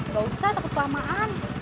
gak usah takut kelamaan